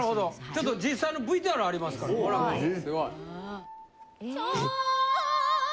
ちょっと実際のＶＴＲありますからご覧ください。